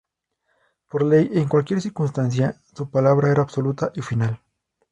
Por ley, en cualquier circunstancia, su palabra era absoluta y final.